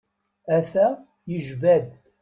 A-t-a yejba-d.